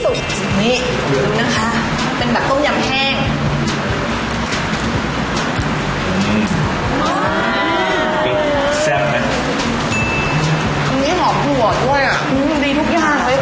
สวยดูดีทุกอย่างไหมคะ